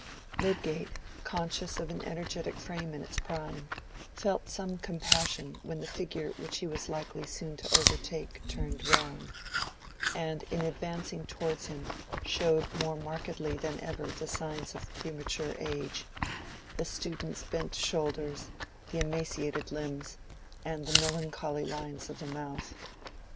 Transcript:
Lydgate, conscious of an energetic frame in its prime, felt some compassion when the figure which he was likely soon to overtake turned round, and in advancing towards him showed more markedly than ever the signs of premature age—the student's bent shoulders, the emaciated limbs, and the melancholy lines of the mouth.